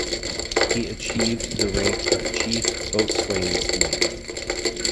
He achieved the rank of Chief Boatswain's Mate.